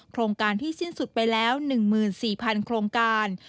โครงการที่สิ้นสุดไปแล้ว๑๔๐๐โครงการ